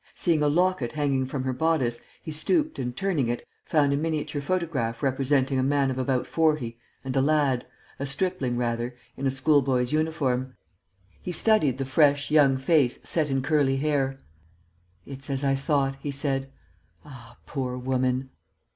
Seeing a locket hanging from her bodice, he stooped and, turning it, found a miniature photograph representing a man of about forty and a lad a stripling rather in a schoolboy's uniform. He studied the fresh, young face set in curly hair: "It's as I thought," he said. "Ah, poor woman!"